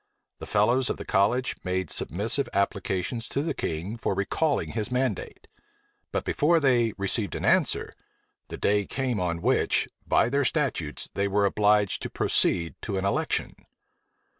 The fellows of the college made submissive applications to the king for recalling his mandate; but before they received an answer, the day came on which, by their statutes, they were obliged to proceed to an election.